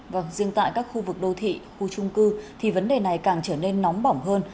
vâng riêng tại các khu vực đô thị khu trung cư thì vấn đề này càng trở nên nóng bỏng hơn